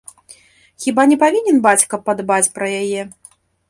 Хіба не павінен бацька падбаць пра яе?